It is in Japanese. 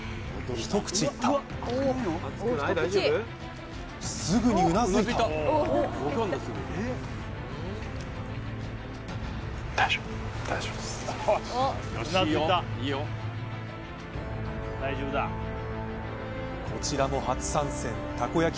一口いったすぐにうなずいたこちらも初参戦たこ焼